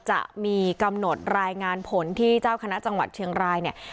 จะมีกำหนดรายงานผลที่เจ้าคณะจังหวัดเชียงรายเนี่ย